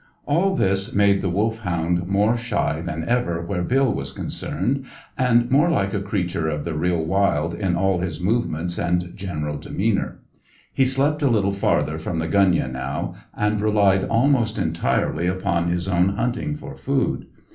All this made the Wolfhound more shy than ever where Bill was concerned, and more like a creature of the real wild in all his movements and general demeanour. He slept a little farther from the gunyah now, and relied almost entirely upon his own hunting for food.